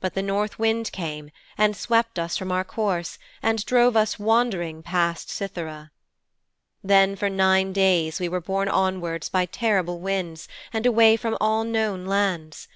But the north wind came and swept us from our course and drove us wandering past Cythera.' 'Then for nine days we were borne onward by terrible winds, and away from all known lands.